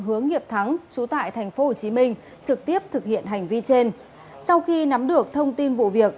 hướng nghiệp thắng chú tại tp hcm trực tiếp thực hiện hành vi trên sau khi nắm được thông tin vụ việc